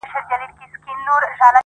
ما د مرگ ورځ به هم هغه ورځ وي.